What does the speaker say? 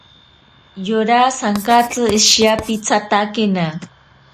Yora sankatsi ishiyapitsatakena.